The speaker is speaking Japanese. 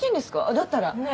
だったらね